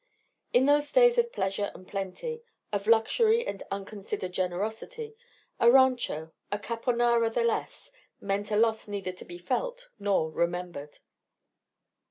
In those days of pleasure and plenty, of luxury and unconsidered generosity, a rancho, a caponara the less, meant a loss neither to be felt nor remembered.